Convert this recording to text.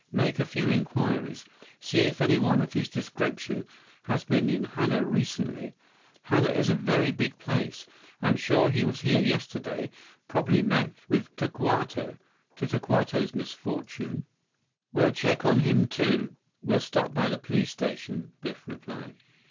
Make a few inquiries. See if anyone of his description has been in Hana recently. Hana is a very big place. I'm sure he was here yesterday—probably met with Tokawto, to Tokawto's misfortune." 77 "We'll check on him, too. We'll stop by the police station," Biff replied.